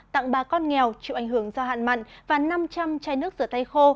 tặng ba con nghèo chịu ảnh hưởng do hạn mặn và năm trăm linh chai nước rửa tay khô